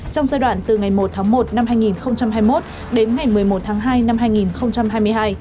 trong giai đoạn từ ngày một tháng một năm hai nghìn hai mươi một đến ngày một mươi một tháng hai năm hai nghìn hai mươi hai